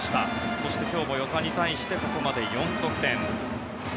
そして今日も與座に対してここまで４得点。